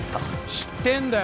知ってんだよ